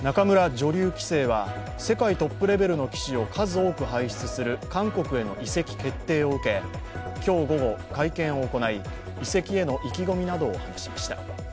女流棋聖は世界トップレベルの棋士を数多く輩出する韓国への移籍決定を受け、今日午後、会見を行い、移籍への意気込みなどを話しました。